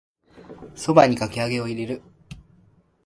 蕎麦にかき揚げを入れる